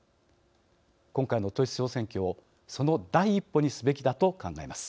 今回の統一地方選挙をその第一歩にすべきだと考えます。